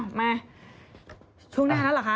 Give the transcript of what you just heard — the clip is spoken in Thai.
ช่วงหน้าแล้วเหรอคะ